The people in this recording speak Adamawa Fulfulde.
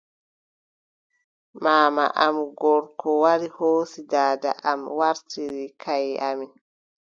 Maama am gorko wari hoosi daada am waartiri kayye amin.